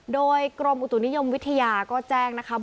โดยกรมอุตุนิยมวิทยาก็แจ้งนะคะ